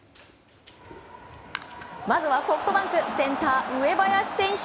まずはソフトバンクセンター、上林選手。